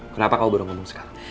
kenapa kamu baru ngomong sekarang